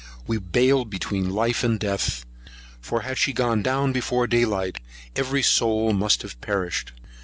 We baled between life and death; for had she gone down before day light, every soul must have perished.